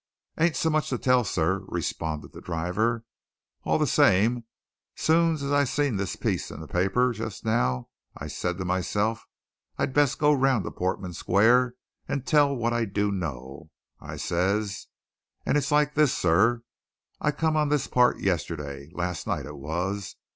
"Ain't so much to tell, sir," responded the driver. "All the same, soon's I'd seen this piece in the paper just now I said to myself, 'I'd best go round to Portman Square and tell what I do know,' I says. And it's like this, sir I come on this part yesterday last night it was.